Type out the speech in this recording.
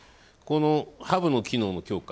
ハブの機能の強化。